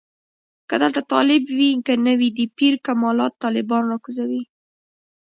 که دلته طالب وي که نه وي د پیر کمالات طالبان راکوزوي.